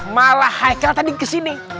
malah haikal tadi kesini